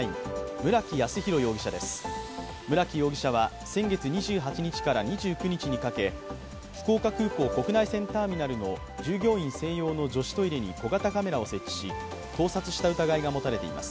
村木容疑者は先月２８日から２９日にかけ福岡空港国内線ターミナルの従業員専用の女子トイレに小型カメラを設置し盗撮した疑いがもたれています。